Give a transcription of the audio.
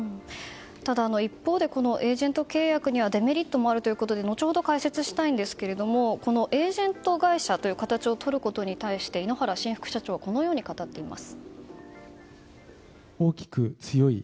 ただ、一方でエージェント契約にはデメリットもあるということで後ほど解説したいんですがエージェント会社という形をとることに関して井ノ原新副社長はこのように語っています。